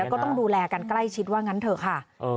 แล้วก็ต้องดูแลกันใกล้ชิดว่างั้นเถอะค่ะ